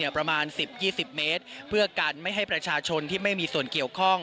ประมาณ๑๐๒๐เมตรเพื่อกันไม่ให้ประชาชนที่ไม่มีส่วนเกี่ยวข้อง